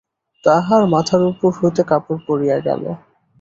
তাহার মাথার উপর হইতে কাপড় পড়িয়া গেল।